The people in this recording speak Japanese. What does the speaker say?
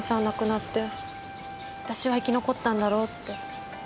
亡くなって私は生き残ったんだろうって。